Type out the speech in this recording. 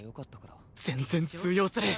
全然通用する